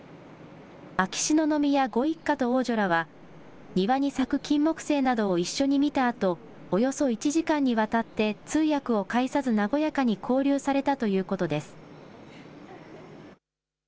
秋篠宮ご一家と王女らは、庭に咲くキンモクセイなどを一緒に見たあと、およそ１時間にわたって通訳を介さず、和やかに交流されたということです。